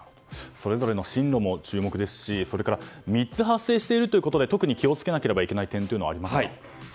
それぞれの進路も注目ですし３つ発生しているということで特に気を付けなければいけない点はありますか。